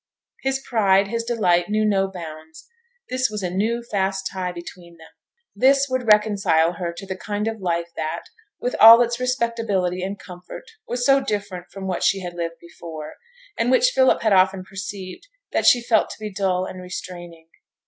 His pride, his delight knew no bounds; this was a new fast tie between them; this would reconcile her to the kind of life that, with all its respectability and comfort, was so different from what she had lived before, and which Philip had often perceived that she felt to be dull and restraining.